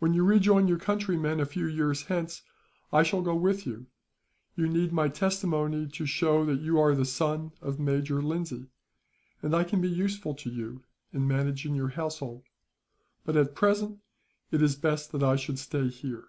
"When you rejoin your countrymen, a few years hence, I shall go with you. You need my testimony, to show that you are the son of Major Lindsay; and I can be useful to you, in managing your household. But at present it is best that I should stay here.